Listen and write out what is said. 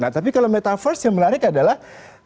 tapi kalau metaverse yang menarik adalah